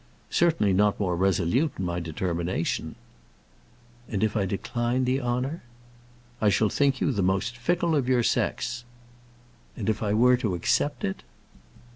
"Certainly not more resolute in my determination." "And if I decline the honour?" "I shall think you the most fickle of your sex." "And if I were to accept it?"